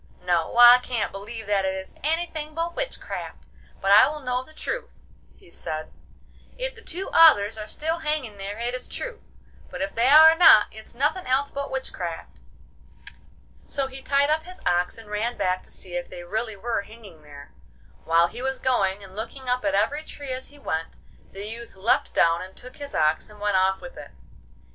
No, I can't believe that it is anything but witchcraft! But I will know the truth,' he said; 'if the two others are still hanging there it is true but if they are not it's nothing else but witchcraft.' So he tied up his ox and ran back to see if they really were hanging there. While he was going, and looking up at every tree as he went, the youth leapt down and took his ox and went off with it.